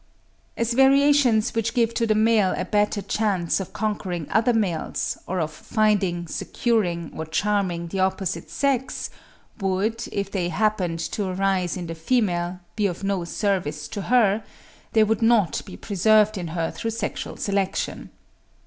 As variations which give to the male a better chance of conquering other males, or of finding, securing, or charming the opposite sex, would, if they happened to arise in the female, be of no service to her, they would not be preserved in her through sexual selection.